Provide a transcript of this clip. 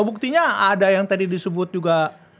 buktinya ada yang tadi disebut juga